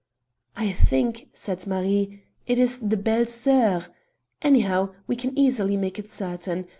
"I think," said Marie, "it is the Belles Soeurs. Anyhow, we can easily make certain.